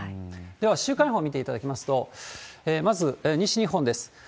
では、週間予報見ていただきますと、まず西日本です。